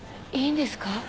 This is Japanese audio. いいんですか？